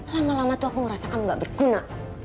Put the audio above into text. lama lama tuh aku merasa kamu gak berguna